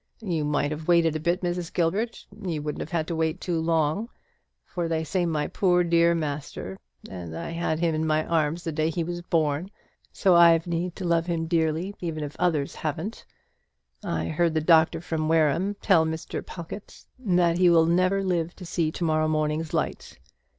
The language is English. You might have waited a bit, Mrs. Gilbert; you wouldn't have had to wait very long for they say my poor dear master and I had him in my arms the day he was born, so I've need to love him dearly, even if others haven't! I heard the doctor from Wareham tell Mr. Pawlkatt that he will never live to see to morrow morning's light.